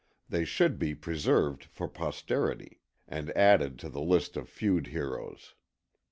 They should be preserved for posterity, and added to the list of feud heroes.